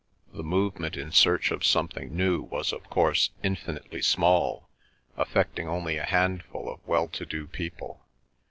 The movement in search of something new was of course infinitely small, affecting only a handful of well to do people.